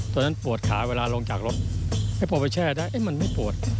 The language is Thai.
ตอนนั้นปวดขาเวลาลงจากรถให้พอไปแช่ได้มันไม่ปวด